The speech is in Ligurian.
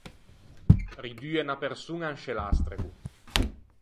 Ridue unna persoña in sce l’astrego.